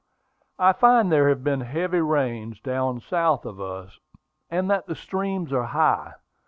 "I find there have been heavy rains down south of us, and that the streams are high.